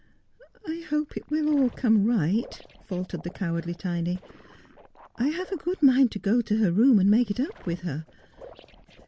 'phope it will all come right,' faltered the cowardly Tiny. ' I have a good mind to go to her room and make it up with her.'